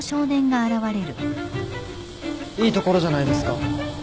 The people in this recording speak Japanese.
いい所じゃないですか。